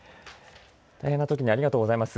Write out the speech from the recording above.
大変なときにありがとうございます。